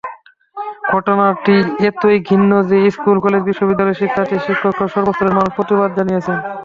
ঘটনাটি এতই ঘৃণ্য যে স্কুলকলেজবিশ্ববিদ্যালয়ের শিক্ষার্থী, শিক্ষকসহ সর্বস্তরের মানুষ প্রতিবাদ জানিয়েছেন।